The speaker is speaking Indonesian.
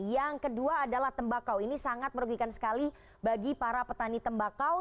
yang kedua adalah tembakau ini sangat merugikan sekali bagi para petani tembakau